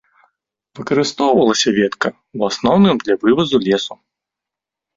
Выкарыстоўвалася ветка ў асноўным для вывазу лесу.